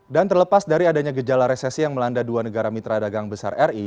dan terlepas dari adanya gejala resesi yang melanda dua negara mitra dagang besar ri